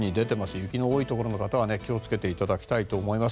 雪の多いところの方は気を付けていただきたいと思います。